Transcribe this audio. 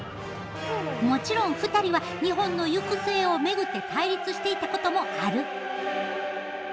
もちろん２人は日本の行く末を巡って対立していたこともある。